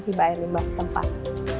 hibah air limbah setempat